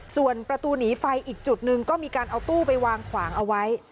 ส่วนประตูหนีไฟอีกจุดหนึ่งก็มีการเอาตู้ไปวางขวางเอาไว้